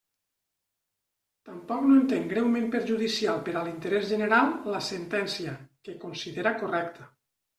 Tampoc no entén greument perjudicial per a l'interès general la Sentència, que considera correcta.